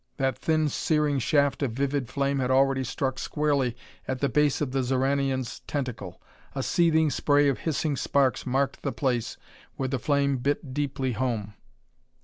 That thin searing shaft of vivid flame had already struck squarely at the base of the Xoranian's tentacle. A seething spray of hissing sparks marked the place where the flame bit deeply home.